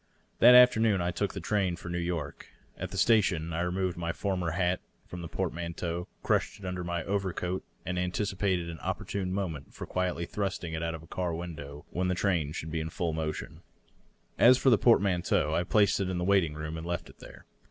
That afternoon I took the train for New York. At the station I removed my former hat from the portmanteau, crushed it under my overcoat, and anticipat/od an opportune moment for quietly thrusting it out of a car window when the train should be in full motion. As for •DOUGLAS DUANE. 609 the portmanteau^ I placed it in the waiting room and left it there.